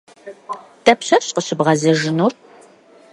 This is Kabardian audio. Дапщэщ къыщыбгъэзэжынур?